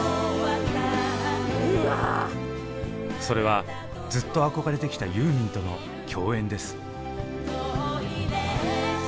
それはずっと憧れてきたユーミンとの共演です。